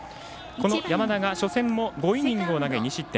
山田が初戦も５イニングを投げ２失点。